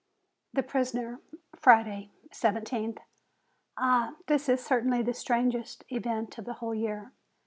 THE PRISONER Friday, I7th. Ah, this is certainly the strangest event of the whole year!